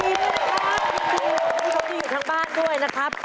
ยินดีมากนะคะขอบคุณทุกคนที่อยู่ทั้งบ้านด้วยนะครับ